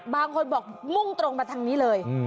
บางคนบอกมุ่งตรงมาทางนี้เลย